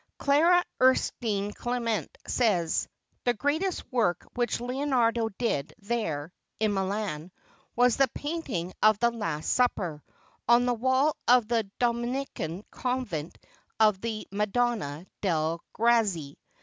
Clara Erskine Clement says: "The greatest work which Leonardo did there [in Milan] was the painting of the Last Supper, on the wall of the Dominican Convent of the Ma donna delle Grazie.